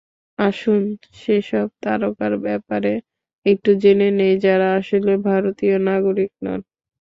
আসুন সেসব তারকার ব্যাপারে একটু জেনে নিই, যাঁরা আসলে ভারতীয় নাগরিক নন।